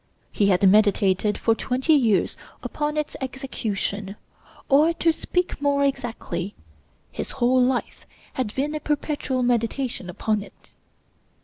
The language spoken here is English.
He had meditated for twenty years upon its execution; or, to speak more exactly, his whole life had been a perpetual meditation upon it.